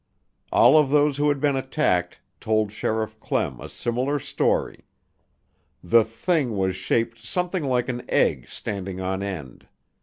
All of those who had been attacked told Sheriff Clem a similar story: "The 'Thing' was shaped something like an egg standing on end.